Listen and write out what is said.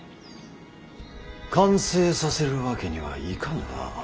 完成させるわけにはいかぬな。